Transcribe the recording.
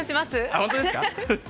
本当ですか？